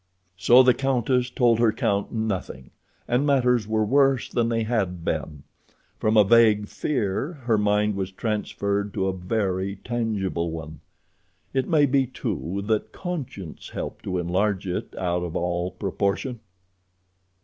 So the countess told her count nothing, and matters were worse than they had been. From a vague fear her mind was transferred to a very tangible one. It may be, too, that conscience helped to enlarge it out of all proportion.